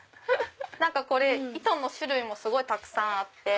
これ糸の種類もすごいたくさんあって。